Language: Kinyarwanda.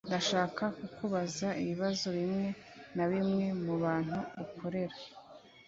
Ndashaka kukubaza ibibazo bimwe na bimwe mubantu ukorera